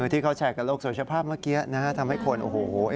ที่เขาแฉกกับโรคโสชภาพเมื่อกี้ทำให้คนโอ้โฮ